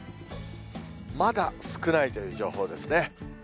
まだ少ないという情報ですね。